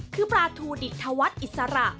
คือบราทูดิตธวัฒน์อิสระ